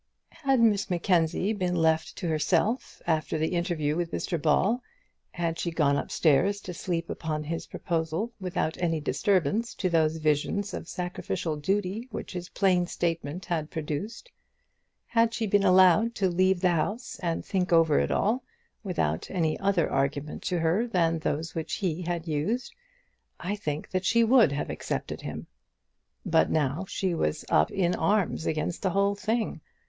Had Miss Mackenzie been left to herself after the interview with Mr Ball: had she gone upstairs to sleep upon his proposal, without any disturbance to those visions of sacrificial duty which his plain statement had produced: had she been allowed to leave the house and think over it all without any other argument to her than those which he had used, I think that she would have accepted him. But now she was up in arms against the whole thing.